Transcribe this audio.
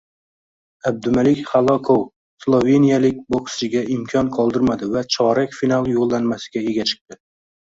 Abdumalik Halokov sloveniyalik bokschiga imkon qoldirmadi va chorak final yo‘llanmasiga ega chiqdi